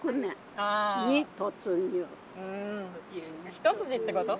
一筋ってこと？